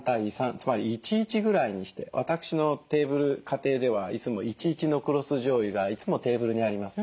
つまり１：１ぐらいにして私のテーブル家庭ではいつも１：１の黒酢じょうゆがいつもテーブルにあります。